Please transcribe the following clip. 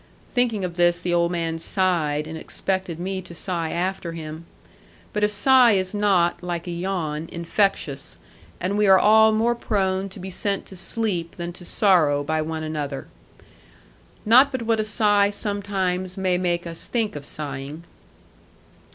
Thinking of this the old man sighed, and expected me to sigh after him. But a sigh is not (like a yawn) infectious; and we are all more prone to be sent to sleep than to sorrow by one another. Not but what a sigh sometimes may make us think of sighing.